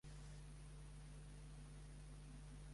Tots els Borges es troben en aquest clàssic de la literatura.